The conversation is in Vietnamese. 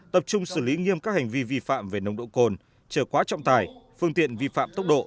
tập trung xử lý nghiêm các hành vi vi phạm về nồng độ cồn trở quá trọng tải phương tiện vi phạm tốc độ